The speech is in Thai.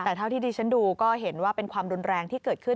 แต่เท่าที่ดิฉันดูก็เห็นว่าเป็นความรุนแรงที่เกิดขึ้น